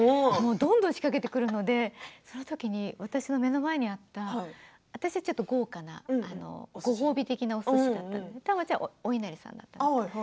どんどん仕掛けてくるのでそのときに私の目の前にあった私はちょっと豪華なおすしご褒美的なおすしがあって玉ちゃんがおいなりさんだったんです。